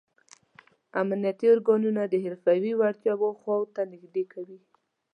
امنیتي ارګانونه د حرفوي وړتیاو خواته نه نږدې کوي.